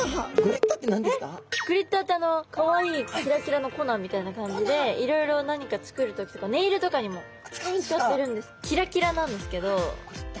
グリッターってあのかわいいキラキラの粉みたいな感じでいろいろ何か作る時とかキラキラなんですけど。